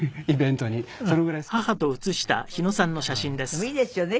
でもいいですよね